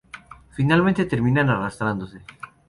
Finalmente terminan arrastrándose.